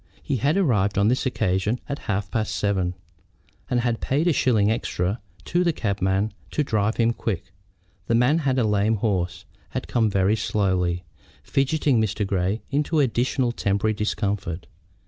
He had arrived on this occasion at half past seven, and had paid a shilling extra to the cabman to drive him quick. The man, having a lame horse, had come very slowly, fidgeting Mr. Grey into additional temporary discomfort.